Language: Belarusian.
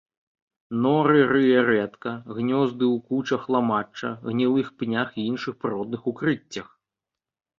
Норы рые рэдка, гнёзды ў кучах ламачча, гнілых пнях і іншых прыродных укрыццях.